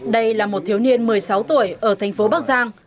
đây là một thiếu niên một mươi sáu tuổi ở thành phố bắc giang